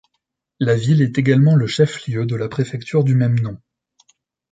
La ville est également le chef-lieu de la préfecture du même nom.